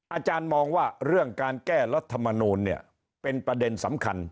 อาจารย์มองว่าเรื่องการแก้รัฐมนูลเนี่ยเป็นประเด็นสำคัญ